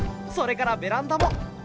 それからベランダも。